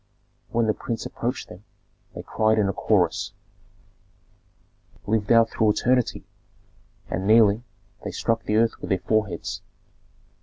When the prince approached them, they cried in a chorus, "Live thou through eternity!" and kneeling, they struck the earth with their foreheads.